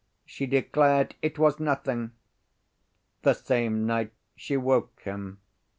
She declared it was nothing. The same night she woke him.